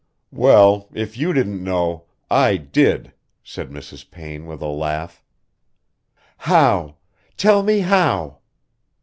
"Well, if you didn't know, I did," said Mrs. Payne with a laugh. "How? Tell me how?"